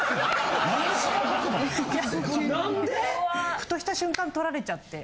ふとした瞬間撮られちゃって。